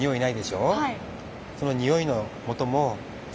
はい。